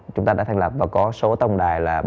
chúng ta đã thành lập và có số tổng đài là